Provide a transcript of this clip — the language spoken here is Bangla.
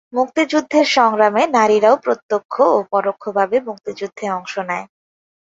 মুক্তিযুদ্ধের সংগ্রামে নারীরাও প্রত্যক্ষ ও পরোক্ষভাবে মুক্তিযুদ্ধে অংশ নেয়।